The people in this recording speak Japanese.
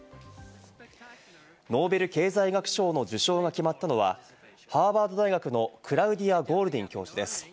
ノーベル経済学賞の受賞が決まったのは、ハーバード大学のクラウディア・ゴールディン教授です。